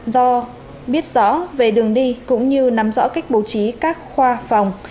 do biết rõ về đường đi cũng như nắm rõ cách bố trí các khoa phòng